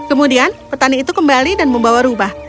kemudian petani itu kembali dan membawa rubah